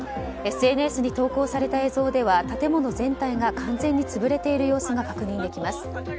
ＳＮＳに投稿された映像では建物全体が完全に潰れている様子が確認できます。